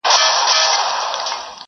سره لمبه چي درته هر کلی او ښار دئ.!